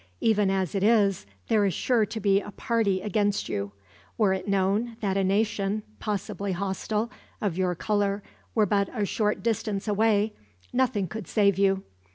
Even as it is, there is sure to be a party against you. Were it known that a nation, possibly hostile, of your color were but a short distance away, nothing could save you.